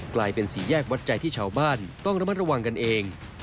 กลายเป็นสี่แยกวัดใจที่ชาวบ้านต้องระมัดระวังกันเอง